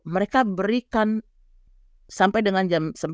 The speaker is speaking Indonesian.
mereka berikan sampai dengan jam sebelas